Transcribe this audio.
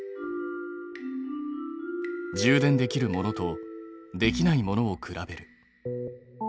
充電できるものとできないものを比べる。